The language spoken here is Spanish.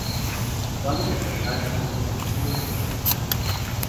Su hábitat natural son bosques húmedos tropicales